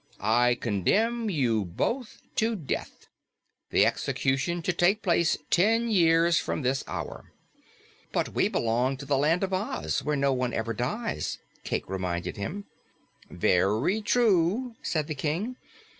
"I condemn you both to death, the execution to take place ten years from this hour." "But we belong in the Land of Oz, where no one ever dies," Cayke reminded him. "Very true," said the King.